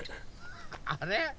あれ？